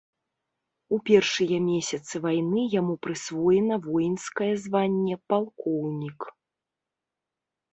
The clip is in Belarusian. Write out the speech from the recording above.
У першыя месяцы вайны яму прысвоена воінскае званне палкоўнік.